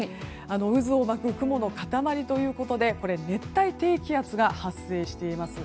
渦を巻く雲の塊ということで熱帯低気圧が発生しています。